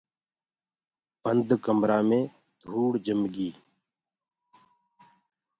بند ڪمرآ مي ڌوُڙ جِم گي۔